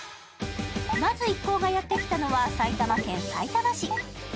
まず一行がやってきたのは埼玉県さいたま市。